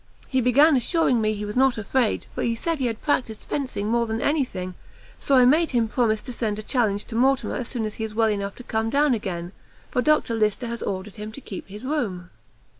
He began assuring me he was not afraid, for he said he had practised fencing more than any thing; so I made him promise to send a challenge to Mortimer as soon as he is well enough to come down again; for Dr Lyster has ordered him to keep his room."